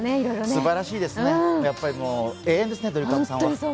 すばらしいですね、やっぱり永遠ですね、ドリカムさんは。